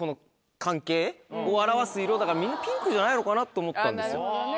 だからみんなピンクじゃないのかなと思ったんですよ。